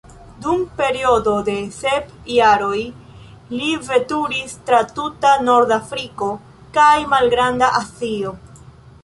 Dum periodo de sep jaroj li veturis tra tuta Nordafriko kaj Malgranda Azio.